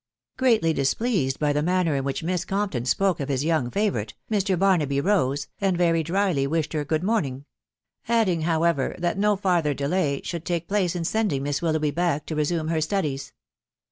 ȣtoeauy displeased by she aaanser in which Miss'Gorapton spoke rof bib 'young favourite, rftfr. Bacnaby rose, and wry dryly wiahdd fcerigood imorning ; 'adding, however, that mo farther delay isbouH itake place in landing Miss r Wiikrugbby back to resume her .studies.